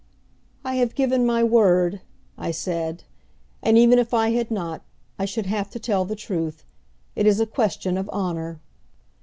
"I have given my word," I said, "and even if I had not, I should have to tell the truth. It is a question of honor."